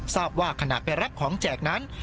ทราบว่าขณะไปรับของแจกนั้น